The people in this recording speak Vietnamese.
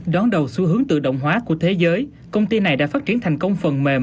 đón đầu xu hướng tự động hóa của thế giới công ty này đã phát triển thành công phần mềm